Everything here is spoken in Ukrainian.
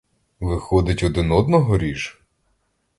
Виходить, один одного ріж?